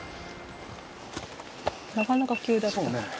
なかなか急だね。